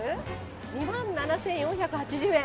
２万７４８０円。